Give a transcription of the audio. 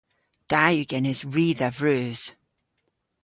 Da yw genes ri dha vreus.